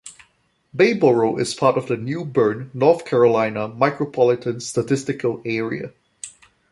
Bayboro is part of the New Bern, North Carolina Micropolitan Statistical Area.